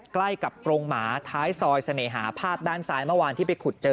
ใกล้กับกรงหมาท้ายซอยเสน่หาภาพด้านซ้ายเมื่อวานที่ไปขุดเจอ